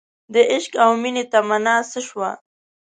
دعشق او مینې تمنا څه شوه